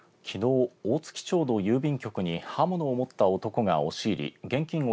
きのう、大月町の郵便局に刃物を持った男が押し入り現金